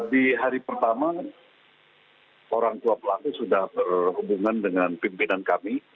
di hari pertama orang tua pelaku sudah berhubungan dengan pimpinan kami